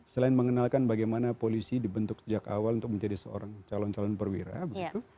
selain mengenalkan bagaimana polisi dibentuk sejak awal untuk menjadi seorang calon calon perwira begitu